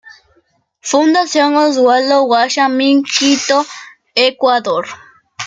Fundación Oswaldo Guayasamín, Quito, Ecuador.